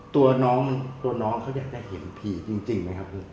ตัวน้องเขาอยากได้เห็นผีจริงไหมครับ